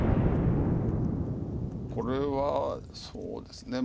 これはそうですね。